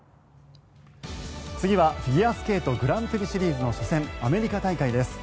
次はフィギュアスケートグランプリシリーズの初戦アメリカ大会です。